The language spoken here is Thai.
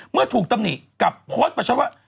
เมื่อถูกตำหนิกลับโพสต์ประชันว่า